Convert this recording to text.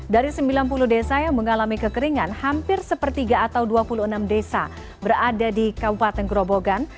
dari sembilan puluh desa yang mengalami kekeringan hampir sepertiga atau dua puluh enam desa berada di kabupaten gerobogan